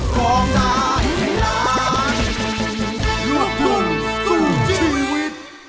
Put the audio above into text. โปรดติดตามตอนต่อไป